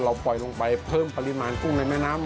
ปล่อยลงไปเพิ่มปริมาณกุ้งในแม่น้ำ